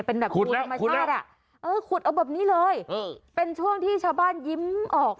เป็นแบบคุดแล้วคุดแล้วเออคุดเอาแบบนี้เลยเออเป็นช่วงที่ชาวบ้านยิ้มออก